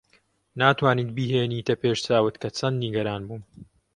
ناتوانیت بیهێنیتە پێش چاوت کە چەند نیگەران بووم.